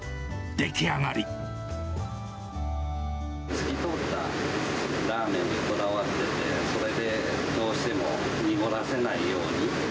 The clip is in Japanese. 透き通ったスープのラーメンにこだわってて、それでどうしても濁らせないように。